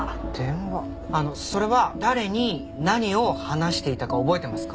あのそれは誰に何を話していたか覚えてますか？